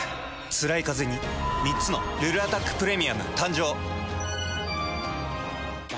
つらいカゼに３つの「ルルアタックプレミアム」誕生。